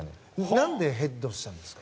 何でヘッドしたんですか。